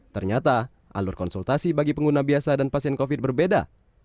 ternyata alur konsultasi bagi pengguna biasa dan pasien covid berbeda